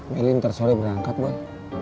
meli ntar sore berangkat boy